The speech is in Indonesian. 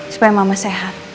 supaya mama sehat